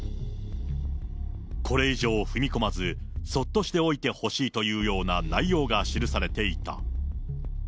これ以上踏み込まず、そっとしておいてほしいというような内容が記されていた。